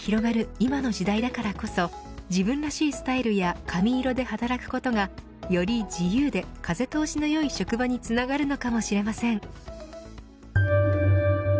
今の時代だからこそ自分らしいスタイルや髪色で働くことがより自由で風通しのよい職場につながるのかもしれません。